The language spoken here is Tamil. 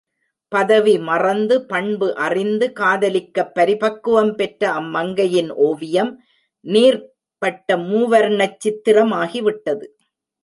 பதவி மறந்து, பண்பு அறிந்து காதலிக்க பரிபக்குவம் பெற்ற அம்மங்கையின் ஓவியம் நீர்பட்ட மூவர்ணச் சித்திரமாகிவிட்டது.